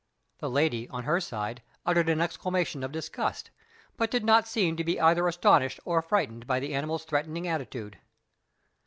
The lady, on her side, uttered an exclamation of disgust, but did not seem to be either astonished or frightened by the animal's threatening attitude.